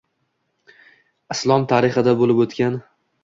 Islom tarixida boʻlib oʻtgan.